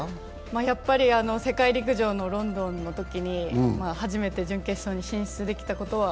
やっぱり、世界陸上のロンドンのときに初めて準決勝に進出できたことは